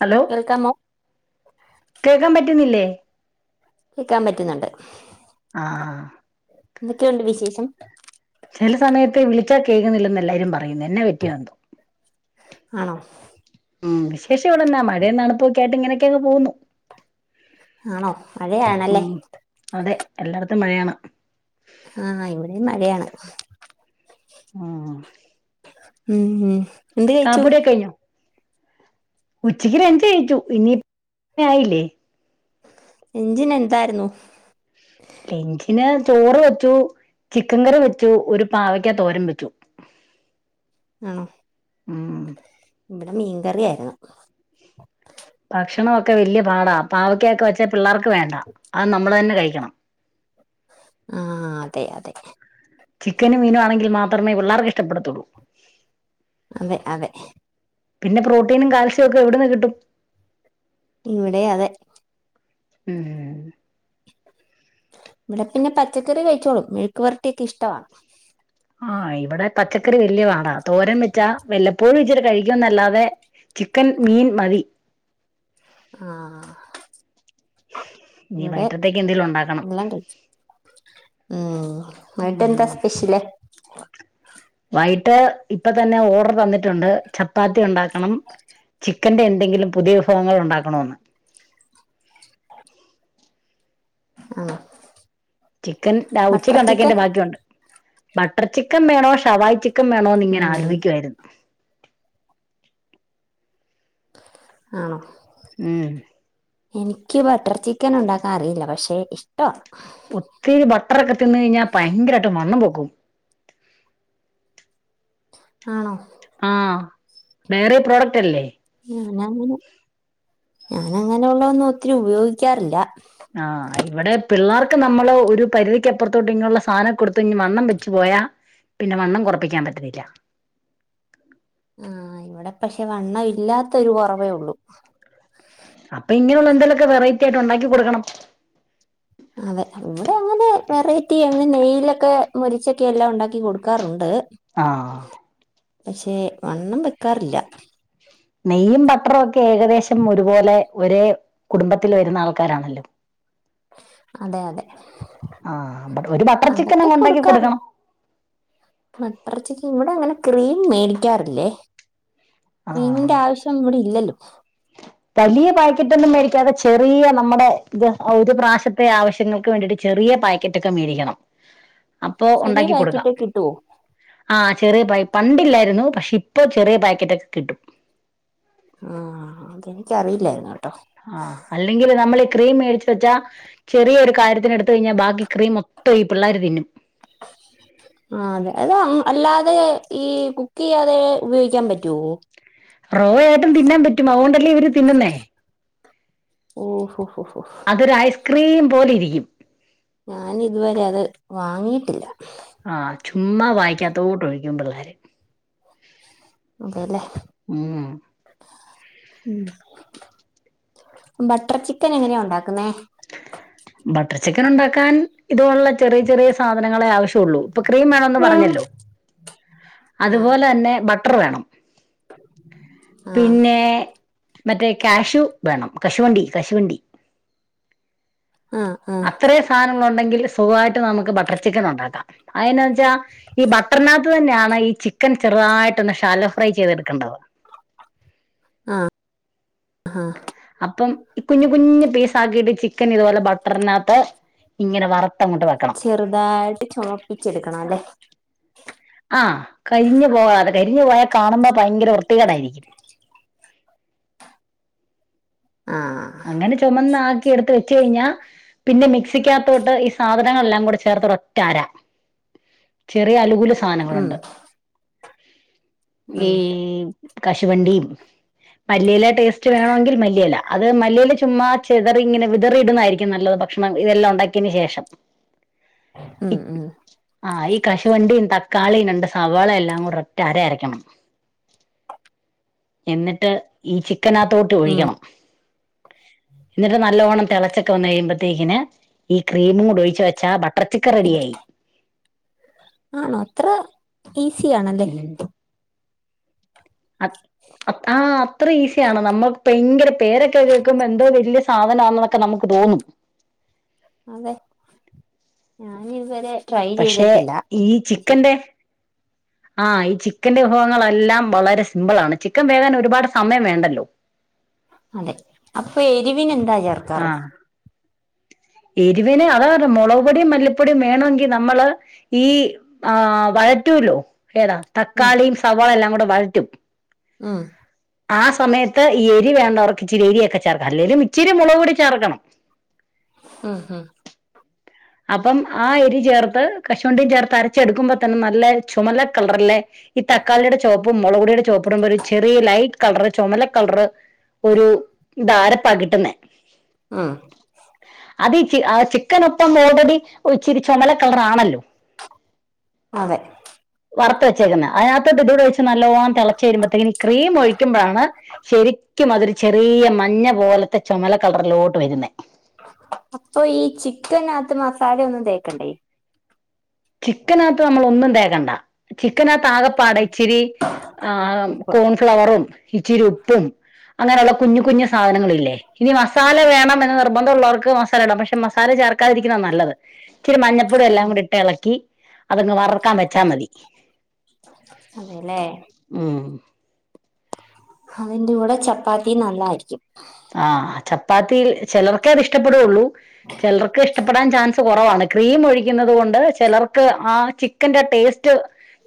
Hello കേൾക്കാമോ കേക്കാൻ പറ്റ ക്കുന്നില്ലേ കേക്കാൻ പറ്റുന്നുണ്ട് ആഹ് എന്തൊക്കെയുണ്ട് വിശേഷം ചില സമയത്ത് വിളിച്ചാ കേൾക്കുന്നില്ലന്ന് എല്ലാരും പറയുന്നു എന്നാ പറ്റിയ എന്തോ ആണോ വിശേഷം ഇവിടെ എന്നാ മഴയും തണുപ്പുക്കെ ആയിട്ട് ഇങ്ങനെ ക്കെ അങ്ങ് പോകുന്നു ആണോ മഴയാണല്ലേ എല്ലാടത്തും മഴയാണ് ആന്നോ ഇവിടെയും മഴയാണ് ഉം ഉം ഉം എന്ത് കഴിച്ചു കാപ്പുടിയൊക്കെ കഴിഞ്ഞോ ഉച്ചയ്ക്ക് ലഞ്ചു കഴിച്ചു പിന്നെ ആയില്ലേ ലെഞ്ചിന് എന്തായിരുന്നു ലെഞ്ചിന് ചോറ് വെച്ചു ചിക്കൻ കറി വെച്ചു ഒരു പാവക്ക തോരൻ വെച്ചു ആണോ ഉം ഇവിടെ മീൻകറിയായിരുന്നു ഭക്ഷണമൊക്കെ വല്യ പാടാ പാവക്ക ഒക്കെ വെച്ചാ പിള്ളേർക്ക വേണ്ട അത് നമ്മള് തന്നെ കഴി ക്കണം ആ അതെ അതെ ചിക്കനും മീനും ആണെങ്കിൽ മാത്രമേ പിള്ളേർക്ക് ഇഷ്ടപ്പെടത്തുള്ളൂ അതെ അതെ പിന്നെ പ്രോട്ടീനും കാൽസ്യം ഒക്കെ എവിടന്ന് കിട്ടും ഇവിടെ അതെ ഉം ഇവിടെപ്പിന്നെ പച്ചക്കറി കഴിച്ചോളും മെഴുക്കുവരട്ടിയൊക്കെ ഇഷ്ടവാ ആ ഇവിടെ പച്ചക്കറി വലിയ പാടാ തോരൻ വെച്ചാ വല്ലപ്പോഴും ഇച്ചിരി കഴിക്കുംന്നല്ലാതെ ചിക്കൻ മീൻ മതി. ആ ഇനി ഇവിടെ വൈകിട്ടത്തേക്ക് എന്തേലും ഉണ്ടാക്കണം എല്ലാം കഴിച്ചു ഉം വൈയിട്ട് എന്താ ഉം സ്പെഷ്യല് യിട്ട് ഇപ്പൊ തന്നെ ഓർഡർ തന്നിട്ടുണ്ട് ചപ്പാത്തി ഉണ്ടാക്കണം ചിക്കന്റെ എന്തെങ്കിലും പുതിയ വിഭവങ്ങൾ ഉണ്ടാക്കണോന്ന്‌ ആ ചിക്കൻ ഉച്ചക്ക് ഉണ്ടാക്കിയെന്റെ ബാക്കിയുണ്ട്. ബട്ടർ ചിക്കൻ വേണോ ഷവായ് ചിക്ക് ക്കം വേണോന്ന് ഇങ്ങനെ ഉം ആലോചിക്കുവായിരുന്നു ആണോ ഉം എനിക്ക് ബട്ടർ ചിക്കൻ ഉണ്ടാക്കാൻ അറിയില്ല പക്ഷെ ഇഷ്ടവാ ഒത്തിരി ബട്ടറൊക്കെ തിന്നു കഴിഞ്ഞാൽ പയങ്കരായിട്ട് വണ്ണം വെക്കും ക്കും ആണോ ആ ഡയറി പ്രോഡക്റ്റ് അല്ലേ എന്നാ അങ്ങനെ ഞാൻ അങ്ങനെയുള്ള ഒന്നും ഒത്തിരി ഉപയോഗിക്കാറില്ല ആ ഇവിടെ പിള്ളേർക്ക് നമ്മള് ഒരു പരിധിക്ക് അപ്പുറത്തോട്ട് ഇങ്ങനുള്ള സാധനം കൊടുത്തു വണ്ണം വെച്ചു പോയാ പിന്നെ വണ്ണം കുറപ്പിക്കാൻ പറ്റത്തില്ല ആ ഇവിടെ പക്ഷെ വണ്ണം ഇല്ലാത്തൊരു കുറവേയുള്ളൂ അപ്പൊ ഇങ്ങനെയുള്ള എന്തെേലുമൊക്കെ വെറൈറ്റി ആയിട്ട് ഉണ്ടാക്കി കൊടുക്കണം അതെ ഇവിടെ അങ്ങനെ വെറൈറ്റി എന്നും നെയ്യ് ഇതിലൊക്കെ മൊരിച്ചൊക്കെ എല്ലാം ഉണ്ടാക്കി കൊടുക്കാറുണ്ട്. ആ പക്ഷെ വണ്ണം വെക്കാറില്ല നെയ്യും ബട്ടറുമൊക്കെ ഏകദേശം ഒരുപോലെ ഒരേ കുടുംബത്തിൽ വരുന്ന ആൾക്കാരാണല്ലോ അതെയതെ ആഹ് ബ ഒരു ബട്ടർ ചിക്കൻ അതൊക്കെ അങ്ങ് ഉണ്ടാക്കി കൊടുക്കാറ് കൊടുക്കണം അത്രക്കക്ക ഇവിടെ അങ്ങനെ ക്രീം മേടിക്കാറില്ലേ ആ ക്രീമിന്റെ ആവശ്യം ഇവിടെ ഇല്ലല്ലോ വലിയ പാക്കറ്റ് ഒന്നും മേടിക്കാതെ ചെ ചെറിയ നമ്മുടെ ഒരു പ്രാവിശ്യത്തെ ആവശ്യങ്ങൾക്ക് വേണ്ടിട്ട് ചെറിയ പാക്കറ്റൊക്കെ മേടിക്കണം അപ്പോ ചെറിയ ഉണ്ടാക്കി കൊടുക്കാം പാക്കറ്റ് കിട്ടുവോ ആ ചെറിയ പൈപ്പ് പണ്ടില്ലായിരുന്നു പക്ഷെ ഇപ്പൊ ചെറിയ പാക്കറ്റൊക്കെ കിട്ടും ആ അത് എനിക്കറിയില്ലായിരുന്നു കേട്ടോ ആ അല്ലെങ്കിൽ നമ്മൾ ഈ ക്രീം മേടിച്ച വെച്ചാ ചെറിയ ഒരു കാര്യത്തിന് എടുത്ത് കഴിഞ്ഞാൽ ബാക്കി ക്രീം മൊത്തം ഈ പിള്ളേർ തിന്നും ആ അത് അല്ലാതെ അതെ ഈ കുക്ക് ചെയ്യാതെ ഉപയോഗിക്കാൻ പറ്റുവോ റോയായിട്ടും തിന്നാൻ പറ്റും അതുകൊണ്ടല്ലേ ഇവര് തിന്നുന്നേ ഓഹോ ഹോ ഹോ അതൊരു ഐസ് ക്രീം പോലെ ഇരിക്കും ഞാൻ ഇതുവരെ അത് വാങ്ങിയിട്ടില്ല ആ ചുമ്മാ വായിക്കാത്തോട്ട് ഒഴിക്കുമ്പഴെ [inaudible] അതേല്ലേ ഉം ഉം ബട്ട് ബട്ടർ ചിക്കൻ ഉണ്ടാക്കാൻ ഇതുപോലുളള ചെറിയ ചെറിയ സാധനങ്ങളെ ആവശ്യ ഒള്ളൂ ക്രീം വേണന്ന് ആഹ് പറഞ്ഞല്ലോ അതുപോലെ തന്നെ ബട്ട് ബട്ടർ വേണം [inaudible] പിന്നെ മറ്റേ കാഷു വേണം കശുവണ്ടി കശുവണ്ടി ആഹ് ആഹ് അത്രയും സാധനങ്ങളുണ്ടെങ്കിൽ സുഖമായിട്ട് നമുക്ക് ബട്ടർ ചിക്കൻ ഉണ്ടാക്കാം അതിന് വെച്ചാൽ ഈ ബട്ടർനാത്ത് തന്നെയാണ് ഈ ചിക്കൻ ചെറുതായിട്ട് പിന്നെ ശാലോ ഫ്രൈ ചെയ്തെടുക്കണ്ടാവോ ആ അപ്പം കുഞ്ഞു കുഞ്ഞ്പീസ് ആക്കിയിട്ട് ചിക്കൻ ചിക്കൻ ഇതുപോലെ ബട്ടറിനകത്ത് ഇങ്ങനെ വറുത്ത് ചെറുതായിട്ട് ചുമപ്പിച്ചെടുക്കണം അല്ലേ [inaudible] ആ കരിഞ്ഞു പോകാതെ കരിഞ്ഞു പോയാൽ കാണുമ്പോ ഭയങ്കര വൃത്തികേടായിരിക്കും ആഹ് അങ്ങനെ ചൊമന്ന് എടുത്ത് വെച്ച്കഴിഞ്ഞൽ പിന്നെ മിക്സിക്കക തേക്ക്ഈ സാധനങ്ങളെല്ലാം കൂ ടിചേർത്ത് ഒറ്റാഅര ചെറിയ ആലു ഫുളള് ഉം സാധനങ്ങളുണ്ട് ഈ ഉം [unintelligible] കശുവണ്ടിയും മല്ലിയില ടേസ്റ്റ് വേണാങ്കിൽ മല്ലിയെല അത് മല്ലിയില ചുമ്മാ ചെതറി ഇങ്ങനെ വിതറി ഇടുന്നതായിരിക്കും നല്ലത് ഭക്ഷണം ഇതെല്ലാം ഉണ്ടാക്കിയതിന് ശേഷം ഉം ഉം ആ ഈ കശുവണ്ടിം തക്കാളിം രണ്ട് സവാളിംഎല്ലാം കു [unintelligible] ഒരു ഒറ്റ അര അരക്കണം എന്നിട്ട് ഈ ചി- ചിക്കാനാത്തോട്ട് ഉം ഒഴിക്കണം ന്നിട്ട് നല്ലോണം തിളച്ചൊക്കെവന്ന് കഴിയുമ്പോത്തേക്കിന് ഈ ക്രീമും കൂടി ഒഴിച്ച് വെച്ചാ ബ [inaudible] ആണോ അത്ര ഈ ഈസിആണല്ലേ [unintelligible] അ അ ഇത്ര ഈസിയാണ് നമ്മുക്ക് ഭയങ്കര പേരെ ക്കെ കേക്കുമ്പോ എന്തോ വല്യ സ് സാധനമാന്നതൊക്കെ നമ്മക്ക് തോന്നും. അതെ ഞാനിത് വരെ പക്ഷേ ഈ ചിക്കന്റെ ആ ഈ ചിക്കന്റെ വിഭവങ്ങളെല്ലാം വളരെ സിമ്പിൾ ആണ്, ചിക്കൻ വേകാൻ ഒരുപാട് സമയം വേണ്ടല്ലോ. അതെ അപ്പ എരിവിന് എന്താ ചേർക്കാറ്? ആഹ് എരിവിന് അതാ പറഞ്ഞെ മൊളക് പൊടിയും മല്ലിപ്പൊടിയും വേണോങ്കി നമ്മള് ഈ ആ വഴറ്റൂല്ലോ ഏതാ ഉം തക്കാളിയും സവാള എല്ലാം കൂടെ വഴറ്റും ഉം ആ സമയത്ത് ഈ എരി വേണ്ടവർക്ക് ഇച്ചിരി എരി ഒക്കെ ചേർക്ക. അല്ലേലും ഇച്ചി [unintelligible] [unintelligible] മൊളക് പൊടി ചേർക്കണം ഉം ഉം അപ്പം ആ എരി ചേർത്ത് കശുവണ്ടിയും ചേർത്ത് അരച്ചെടുക്കുമ്പ തന്നെ നല്ല ചുമല്ലെഹ് കളറ്ല്ലെ ഈ തക്കാളിയുടെ ചോപ്പും മൊളകുടിയുടെ ചോപ്പ്ടുമ്പൊരു ചെറിയ ലൈറ്റ് കവറ് ചൊമല കളർ ഒരു ഇതാരപ്പ കിട്ടുന്നെ ഉം അത് ഇയ്ക്ക് ആഹ് ചിക്കനൊ ട്ടൊ മോഡല് ഒച്ചിരി ചൊമല കളറാണല്ലോ അതെ വറത്ത് വെച്ചേക്കുന്നെ അയ്നകട്ട് ഇത് ഇതൂടെ ഒഴിച്ച് നല്ലോണം തെളച്ചു വരുമ്പത്തേനും ഈ ക്രീം ഒഴിക്കുമ്പളാണ് ശെരിക്കും മാതിരി ചെറിയ മഞ്ഞ പോലത്തെ ചൊമല കളറിലോട്ട് വരുന്നെ അപ്പൊ ഈ ചിക്കന അത്ത് മസാലെയൊന്നും തേക്കെണ്ടേ. ചിക്കനകത്ത് നമ്മൾ ഒന്നും തേക്കണ്ട ചിക്കനക ആകപ്പാടെ ഇച്ചിരി ആഹ് ഉപ്പ് കോൺഫ്ലവറും, ഇച്ചിരി ഉപ്പും അങ്ങനെ ഇള്ള കുഞ്ഞ് കുഞ്ഞ് സാധനങ്ങള് ഇല്ലേ ഇനി മസാല വേണം എന്ന് നിർബന്ധള്ളോർക്ക് മസാല ഇടാം പക്ഷെ മസാല ചേർക്കാതിരിക്കുന്നത നല്ലത്. ഇച്ചിരി മഞ്ഞപൊടിം എല്ലാം കൂടി ഇട്ട് എളക് അതങ്ങ് വറക്കാൻ വെച്ചാ മതി അതെല്ലേ ഉം അതിന്റെ കൂടെ ചപ്പാത്തി നല്ലായിരിക്കും ആഹ് ചപ്പാത് ത്തിൽ ചെലോറ്ക്കേ അത്ഷ്ടപ്പെടൂ ഉള്ളൂ. ചെലർക്ക് ഇഷ്ടപ്പെടാൻ ചാൻസ് കുറവാണ് ക്രീം ഒഴിക്കുന്നത് കൊണ്ട് ചെലർക്ക് ആ ചിക്കന്റെ ടേസ്റ്റ്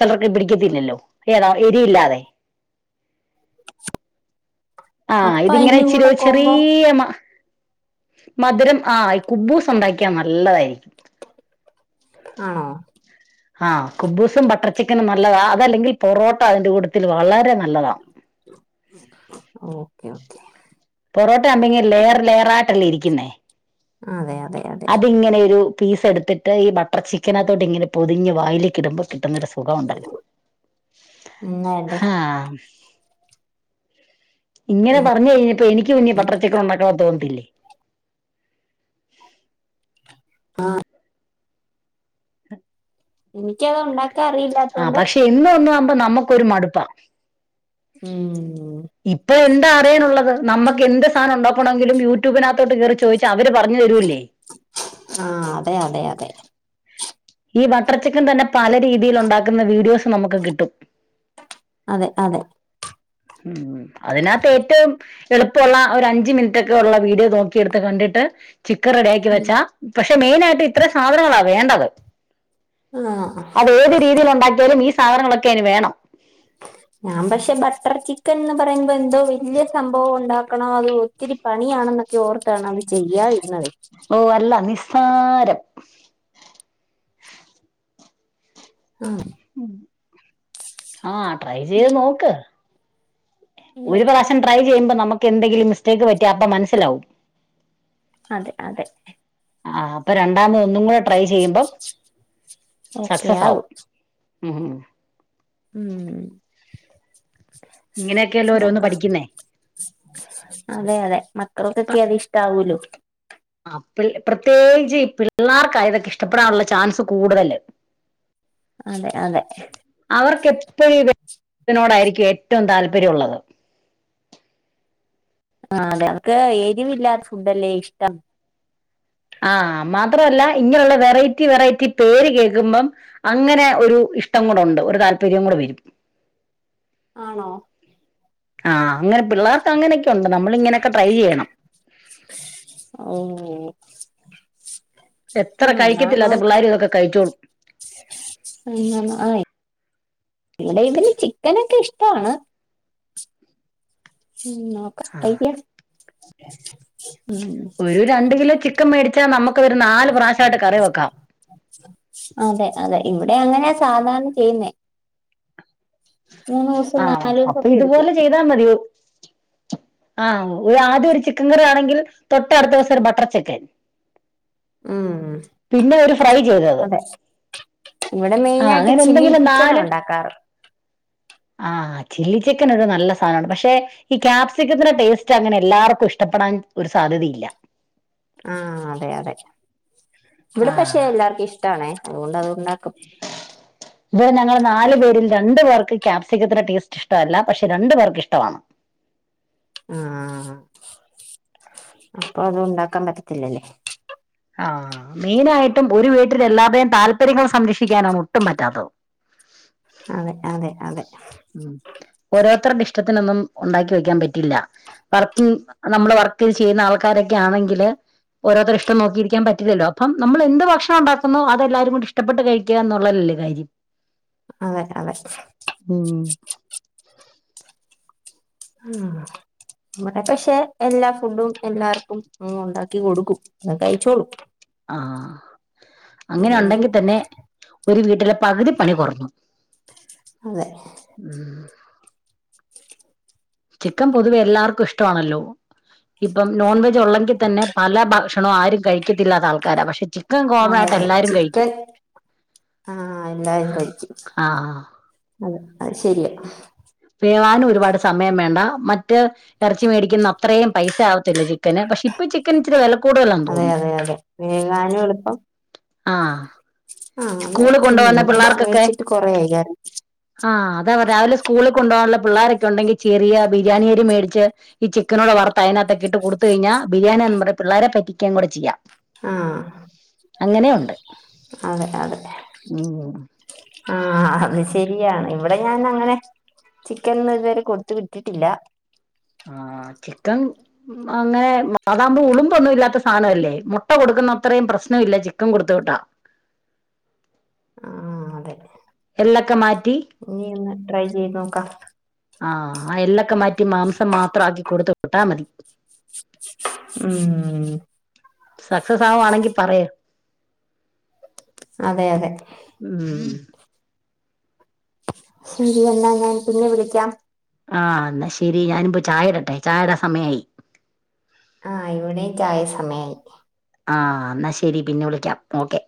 ചെലർക്ക് പിടിക്കത്തില്ലല്ലോ ഏതാ എരിയില്ലാതെ ആഹ് അപ്പൊ ഇതിങ്ങനെ അതിന്റെ ഇച്ചിരി കൂടെ കോമ്പോ ചെറിയ മ മധുരം ആ കുബ്ബൂസ് ഉണ്ടാക്കിയാ നല്ലതായിരിക്കും ആണോ ആ കുബൂസും ബട്ടർ ചിക്കനും നല്ലതാ അതല്ലെങ്കിൽ പൊറോട്ട അതിൻ്റെ കൂടത്തിൽ വളരെ നല്ലതാ. ഓക്കെ ഓക്കെ പൊറോട്ട ആവുമ്പങ്ങ് ലെയർ ലെയർ ആയിട്ടല്ലേ ഇരിക്കുന്നേ അതെ അതെ അതെ അതിങ്ങനെ ഒരു പീസ് എടുത്തിട്ട് ഈ ബട്ടർ ചിക്കനത്തോട്ട് ഇങ്ങനെ പൊതിഞ്ഞ് വായിലി ഇടുമ്പോ കിട്ടുന്നൊരു സുഖ - സുഖമുണ്ട് എന്നല്ലേ ആഹ- ഇങ്ങനെ ഈ പറഞ്ഞു കഴി - എനിക്ക് കുഞ്ഞെ ബട്ടർ ചിക്കൻ ഉണ്ടാക്ക - [unintelligible] ടില്ലേ ആ ഉ എനിക്കത ഉണ്ടാ- ആ പക്ഷെ ഇന്ന് ഒന്നും ത് നമുക്ക ഒരു മടുപ്പാ ഉം ഇപ്പൊ എന്താ അറിയാനുള്ളത് നമുക്ക് എന്ത് സാധനം ഉണ്ടാക്കണമെങ്കിലും യൂട്യൂബിന- ത്തോട്ട് കയറി ചോദിച്ചാ അവര് പറഞ്ഞു തരൂല്ലേ ആഹ അതെ അതെ അതെ ഈ ബട്ടർ ചിക്കൻ തന്നെ പല രീതിയിൽ ഉണ്ടാക്കുന്ന വീഡിയോസ് നമുക്ക് കിട്ടും. അതെ അതെ ഉം അതിനകത്ത് ഏറ്റവും- എളുപ്പമുള്ള ഒരു അഞ്ചു മിനിറ്റൊക്കെ ഉള്ള വീഡിയോ നോക്കിയെടുത്ത് കണ്ടിട്ട്- ചിക്കൻ റെഡിയാക്കി വെച്ചാ പക്ഷെ മെയിനായിട്ട് ഇത്ര സാധനങ്ങള- വേണ്ടത് ആ അത് ഏത് രീതിയിൽ ഉണ്ടാക്കിയാലും - സാധനങ്ങളൊക്കെ ഇനി വേണം ഞാൻ പക്ഷെ ബട്ടർ ചിക്കൻന്ന് പറയുമ്പോ എന്തോ വല്യ സംഭവം ഉണ്ടാക്കണോ അത് ഒത്തിരി പണിയാണെന്നൊക്കെ ഓർത്താണ് അത് ചെയ്യാതിരുന്നത് ഓഹ് അല്ല നിസ്സാരം ആഹ് ആഹ് ട്രൈ ചെയ്ത് നോക്ക് ഒരു പ്രാവശം ട്രൈ ചെയ്യുമ്പോ ന നമുക്ക് എന്തെങ്കിലും മിസ്റ്റേക്ക് പറ്റിയ അപ്പം മനസിലാവും അതെ അതെ ആഹ് അപ്പൊ രണ്ടാമതൊന്നൂ ട്രൈ ചെയ്യുമ്പം ഓക്കെ സക്സസ് ആകും മ് മ്.. ഇങ്ങനെയൊക്കെയല്ലോ ഓരോന്ന് നോക്കാ പഠിക്കുന്നേ അതെ അതെ [inaudible] [unintelligible] ക്കൊക്കെ അതിഷ്ടവുള്ളൂ ആഹ് പി പ്രത്യേകിച്ച് ഈ പിള്ളാർക്ക ഇതൊക്കെ ഇഷ്ടപ്പെടാനുള്ള ചാന്സ് കൂടുതല് അതെ അതെ [inaudible] എപ്പോഴോടായിരിക്കും ഏറ്റവും താല്പര്യമുള്ളത് ആഹ് അതെ ക്ക് എരിവില്ലാത്ത ഫുഡല്ലേ ഇഷ്ടം ആഹ് മാത്രല്ല ഇങ്ങനെയുള്ള വെറൈറ്റി വെറൈറ്റി പേര് കേക്കുമ്പം അങ്ങനെ ഒരു ഇഷ്ടം കൂടെ ഒണ്ട് ഒരു താല്പര്യം കൂടെ വരും ആണോ ആഹ് അങ്ങനെ പിള്ളേർക്ക് അങ്ങനെയൊക്കെ ഒണ്ട് നമ്മളിങ്ങനൊക്കെ ട്രൈ ചെയ്യണം ഓഹ് എത്ര കഴിക്കത്തില്ലാത്ത പിള്ളേരും ഇതൊക്കെ കഴിച്ചോ [inaudible] ഇവടെ ഇവന് ചിക്കനൊക്കെ ഇഷ്ടാണ് മ് നോക്ക ആഹ് [unintelligible] [inaudible] ഒരു രണ്ട് കിലോ ചിക്കൻ മേടിച്ചാ നമുക്ക് ഒരു നാല് പ്രാവശ്യായിട്ട് കറി വെക്കാം അങ്ങനെയ സാധാരണ ചെയ്യുന്നേ മൂന്ന് ദിവസം ആഹ് നാലു ദിവസം അപ്പൊ ഒക്കെ എടുക്കും ഇതുപോലെ ചെയ്താ മതി ആഹ് ആദ്യം ഒരു ചിക്കൻ കറി ആണെങ്കിൽ തൊട്ടട്ത്ത ദിവസം ഒരു ബട്ടർ ചിക്കൻ മ് പിന്നെ ഒരു ഫ്രൈ ചെയ്തത് അതെ ഇവിടെ ആഹ് മെയിനായിട്ട് അങ്ങനെ ചില്ലി ചിക്കനാ ഒണ്ടാക്കാറ് ആ ചില്ലി ചിക്കൻ ഒരു നല്ല സാധനാണ് പക്ഷെ ഈ ക്യാപ്സിക്കത്തിന്റെ ടേസ്റ്റ് അങ്ങനെ എല്ലാർക്കും ഇഷ്ടപ്പെടാൻ ഒരു സാധ്യതയില്ല ആ അതെ അതെ ഇവിടെ പക്ഷെ എല്ലാർക്കും ഇഷ്ടാണെ അതുകൊണ്ട് അതു ഇത് ഞങ്ങൾ നാല് പേരില രണ്ടു പേർക്ക് ക്യാപ്സിക്കത്തിന്റെ ടേസ്റ്റ് ഇഷ്ടമല്ല. പക്ഷെ രണ്ടു പേർക്ക് ഇഷ്ടമാണ്. ആ അപ്പൊ അത് ഉണ്ടാക്കാൻ പറ്റത്തില്ലല്ലേ? മെയിനായിട്ടും ഒരു വീട്ടിൽ എല്ലാവരുടെയും താല്പര്യങ്ങൾ സംരക്ഷിക്കാനാഒട്ടും പറ്റാത്തത്. അതെ അതെ അതെ ത്രടെ ഇഷ്ടത്തിനൊന്നും ഉണ്ടാക്കി വെക്കാൻ പറ്റില്ല. വർക്കിങ് നമ്മള് വർക്ക്ചെയ്യുന്ന ആൾക്കാരൊക്കെ ആണെങ്കില് ഓരോരുത്തരു ഇഷ്ടം നോക്കിയിരിക്കാൻ പറ്റില്ലല്ലോ അപ്പം നമ്മൾ എന്ത് ഭക്ഷണം ഉണ്ടാക്കുന്നോ അതെല്ലാരും കൂടി ഇഷ്ടപ്പെട്ട് കഴിക്കുക എന്നുള്ളല്ലേ കാര്യം. അങ്ങനെ അതെ ഉം ഉം നമ്മടെ പക്ഷെ എല്ലാ ഫുഡും എല്ലാർക്കും ഉണ്ടാക്കി കൊടുക്കും അ കഴിച്ചോളും? ആ അങ്ങനെ ഉണ്ടെങ്കിൽ അതുകൊണ്ട് തന്നെ ഒരു വീട്ടിലെ പകുതിപ്പണി കുറഞ്ഞു. അതെ ഉം ചിക്കൻ പൊതുവേ എല്ലാർക്കും ഇഷ്ടമാണല്ലോ. ഇപ്പം നോൺവെജ് ഉള്ളങ്കിൽ തന്നെ പല ഭ ഭക്ഷണം ആരും കഴിക്കത്തില്ലാത്ത ആൾക്കാരാ പക്ഷെ ചി ആണല്ലേ ചിക്കൻ ആഹ് എല്ലാരും കഴിക്കും. ആഹ് അതെ അത് ശരിയാ. മറ്റ എറച്ചി മേടിക്കുന്ന അത്രയും പൈസ ആവത്തില്ല ചിക്കന് പക്ഷെ ഇപ്പൊ ചിക്കൻ ഇത്തിരി വില കൂടുതലാന്ന് അതെ തോന്നുന്നു. അതെ അതെ വേകാനും ആഹ്. ആഹ് അത് സ്കൂളിൽ പിന്നെ കൊണ്ടുപോകുന്ന കൂടെ പിള്ളേർക്കൊക്കെ മേടിച്ചിട്ട് കൊറയായി കാ ആഹ് അതാ രാവിലെ സ്കൂളിൽ കൊണ്ടു പോകാനുള്ള പിള്ളേൊരെക്കെയുണ്ടെങ്കിൽ ചെറിയ ബിരിയാണിയരി മേടിച്ച് ഈ ചിക്കനൂടെ വറുത്ത് അതിനഗത്തെക്കെ ഇട്ട് കൊടുത്ത കഴിഞ്ഞാ ബിരിയാണിയാനന്ന് പറഞ്ഞ് പിള്ളേെ പറ്റിക്കാൻ കൂടെ ചെയ്യാം. ആഹ്. അങ്ങനെയുണ്ട്. ആ അത് ശരിയാണ് ഇവിടെ ഞാൻ അങ്ങനെ ചിക്കൻ ഇതുവരെ കൊടുത്ത് വിട്ടിട്ടില്ല. ആ ചിക്കൻ അങ്ങനെ അതാകുമ്പോ ഉളുമമ്പൊന്നും ഇല്ലാത്ത സാധന അല്ലേ. മുട്ട കൊടുക്കുന്ന അത്രയും പ്രശ്നമില്ല ചിക്കൻ കൊടുത്തുവിട്ടാ. ആഹ് അതെ എല്ലൊക്കെ മാറ്റി ഇനി ട്രൈ ചെയ്ത് നോക്കാം. ആ എല്ല ക്കെ മാറ്റി മാംസം മാത്രം ആക്കി കൊടുത്ത് വിട്ടാൽ മതി. ഉം സക്സസ് ആവുവാണെങ്കി പറയ്. അതെ അതെ ഉം ശരി എന്ന ഞാൻ പിന്നെ വിളിക്കാം. ആഹ് എന്നാ ശെരി ഞാനുംപ്പോയി ചായ ഇടട്ടെ ചായയിടാ സമയായി. ആ ഇവിടെ ചായ സമയായി ആഹ് എന്നാൽ ശരി പിന്നെ വിളിക്കാം ഓക്കെ.